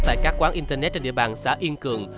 tại các quán internet trên địa bàn xã yên cường